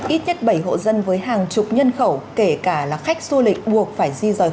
ít nhất bảy hộ dân với hàng chục nhân khẩu kể cả là khách du lịch buộc phải di rời